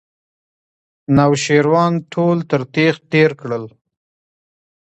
انوشیروان ټول تر تېغ تېر کړل.